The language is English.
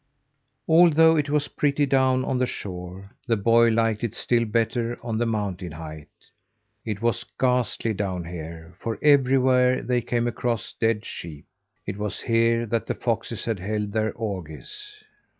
Although it was pretty down on the shore, the boy liked it still better on the mountain height. It was ghastly down here; for everywhere they came across dead sheep. It was here that the foxes had held their orgies.